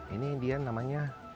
ini dia namanya